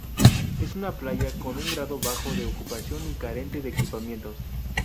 Es una playa con un grado bajo de ocupación y carente de equipamientos.